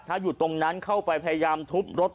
ถ้าอยู่ตรงนั้นเข้าไปพยายามทุบรถ